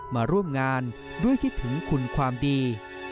มาร่วมงานด้วยคิดถึงคุณความดี